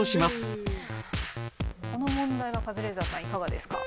この問題はカズレーザーさんいかがですか？